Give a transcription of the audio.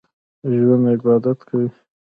ژوندي عبادت کوي